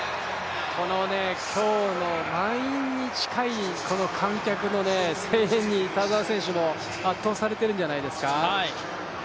今日の満員に近い観客の声援に、田澤選手も圧倒されてるんじゃないですか。